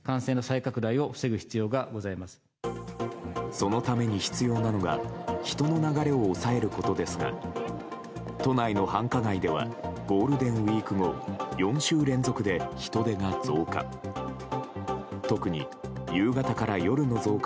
そのために必要なのが人の流れを抑えることですが都内の繁華街ではゴールデンウィーク後４週連続で人出が増加。